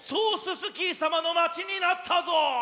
スキーさまのまちになったぞ！